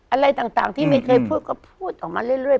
อะไรต่างที่ไม่เคยพูดก็พูดออกมาเรื่อย